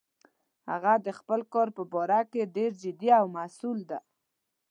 هغه د خپل کار په باره کې ډیر جدي او مسؤل ده